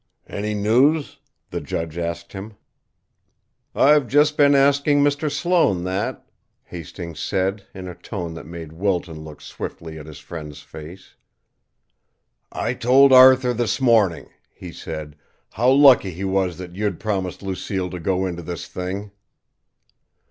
"Any news?" the judge asked him. "I've just been asking Mr. Sloane that," Hastings said, in a tone that made Wilton look swiftly at his friend's face. "I told Arthur this morning," he said, "how lucky he was that you'd promised Lucille to go into this thing."